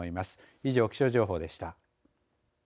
以上、気象情報でした。